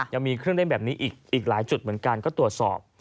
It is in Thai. ยังมีเครื่องเล่นแบบนี้อีกหลายจุดเหมือนกันก็ตรวจสอบ